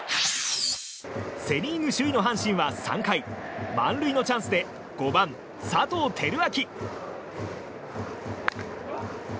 セ・リーグ首位の阪神は３回満塁のチャンスで５番、佐藤輝明。